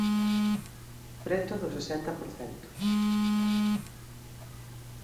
Preto do sesenta por cento.